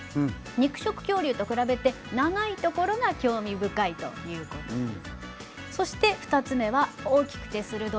肉食恐竜と比べて短いところがなんともかわいいということです。